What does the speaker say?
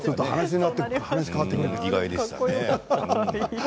意外でした。